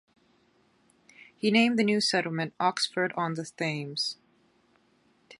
He named the new settlement Oxford-on-the-Thames.